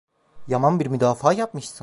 Yaman bir müdafaa yapmışsın…